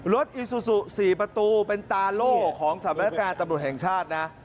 รถอิซุสุ๔ประตูเป็นตาโล่ของสรรพนักการตำรวจแห่งชาตินะ